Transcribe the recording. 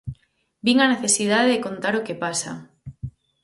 Vin a necesidade de contar o que pasa.